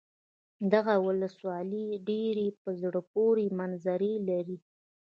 دغه ولسوالي ډېرې په زړه پورې منظرې لري.